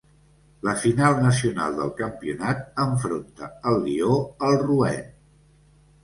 La final nacional del campionat enfronta el Lió al Rouen.